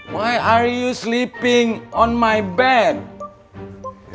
kenapa kamu tidur di katilku